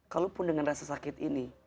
kalaupun dengan rasa sakit ini